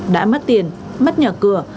đã mất tiền mất nhà cửa